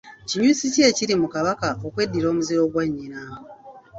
Kinyusi ki ekiri mu Kabaka okweddira omuziro gwa nnyina?